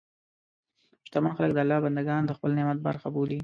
شتمن خلک د الله بندهګان د خپل نعمت برخه بولي.